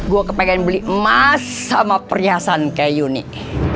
gue kepengen beli emas sama perhiasan kayak you nih